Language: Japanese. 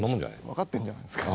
分かってんじゃないですか。